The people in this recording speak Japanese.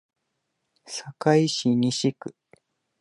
堺市西区